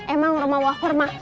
emang rumah wafer mah